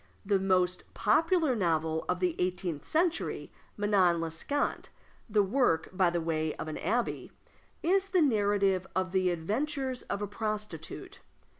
The most popular novel of the eighteenth century Manon Lescant the work, by the way, of an abbé, is the narrative of the adventures of a prostitute.